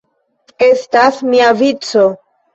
Estas mia vico!